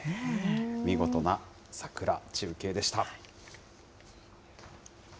見事な桜中継でした。